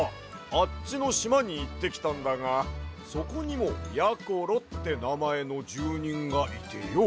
あっちのしまにいってきたんだがそこにもやころってなまえのじゅうにんがいてよ。